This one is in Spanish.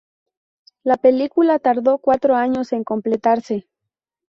La película tardó cuatro años en completarse.